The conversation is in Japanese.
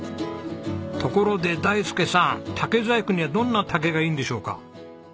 ところで大介さん竹細工にはどんな竹がいいんでしょうか？